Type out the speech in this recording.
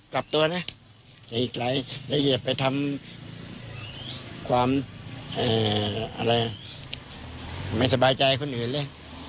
ความเอ่ออะไรไม่สบายใจคนอื่นเลย